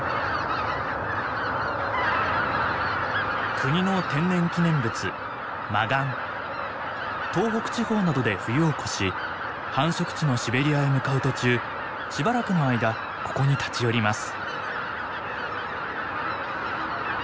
国の天然記念物東北地方などで冬を越し繁殖地のシベリアへ向かう途中しばらくの間ここに立ち寄ります。